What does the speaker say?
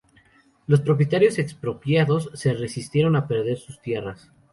Los propietarios expropiados se resistieron a perder sus tierras.